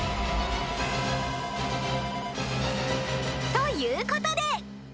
［ということで］